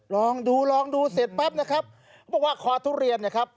ลองดูลองดูเสร็จปั๊บนะครับบอกว่าคอทุเรียนเนี่ยครับ